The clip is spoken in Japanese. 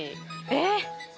えっ！？